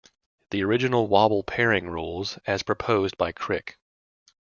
The original wobble pairing rules, as proposed by Crick.